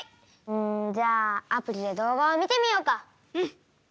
うーん、じゃあアプリで動画を見てみようか？